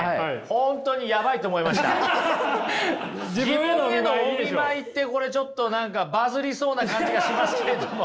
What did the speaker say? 本当に自分へのお見舞いってこれちょっと何かバズりそうな感じがしますけれども。